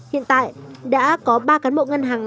hiện tại đã có ba cán bộ ngân hàng